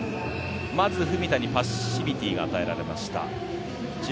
まず文田にパッシビティーが与えられました。